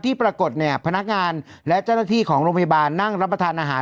ปรากฏเนี่ยพนักงานและเจ้าหน้าที่ของโรงพยาบาลนั่งรับประทานอาหาร